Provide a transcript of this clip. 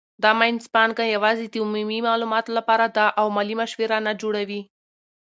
دا مینځپانګه یوازې د عمومي معلوماتو لپاره ده او مالي مشوره نه جوړوي.